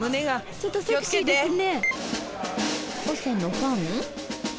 ちょっとセクシーですね。